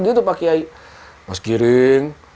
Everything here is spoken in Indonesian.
gitu pak kiai mas giring